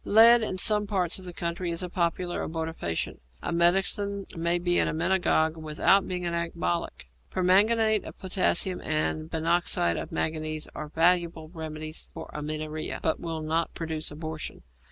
Lead in some parts of the country is a popular abortifacient. A medicine may be an emmenagogue without being an ecbolic. Permanganate of potassium and binoxide of manganese are valuable remedies for amenorrhoea, but will not produce abortion.